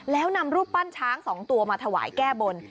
แล้วนำรูปปั้นช้าง๒ตัวมาถวายแก้บน